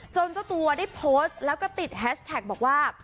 เจ้าตัวได้โพสต์แล้วก็ติดแฮชแท็กบอกว่า